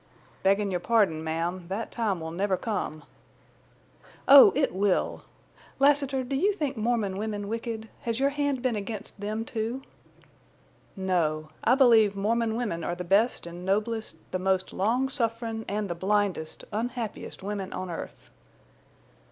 "Beggin' your pardon, ma'am—that time will never come." "Oh, it will!... Lassiter, do you think Mormon women wicked? Has your hand been against them, too?" "No. I believe Mormon women are the best and noblest, the most long sufferin', and the blindest, unhappiest women on earth."